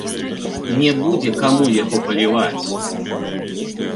Не будзе каму яго паліваць.